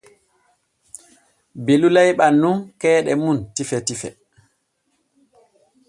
Belu layɓan nun keeɗe mum tife fu.